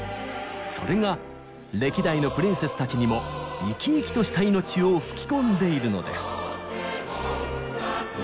それが歴代のプリンセスたちにも生き生きとした命を吹き込んでいるのです。